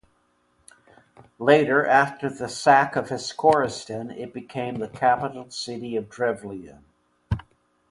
Later after the sack of Iskorosten it became the capital city of Drevlian.